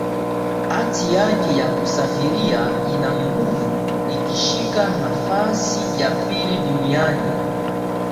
Hati yake ya kusafiria ina nguvu ikishika nafasi ya pili duniani